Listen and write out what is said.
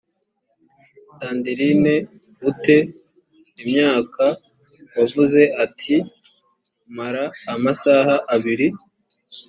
sandrine u te imyaka wavuze ati mara amasaha abiri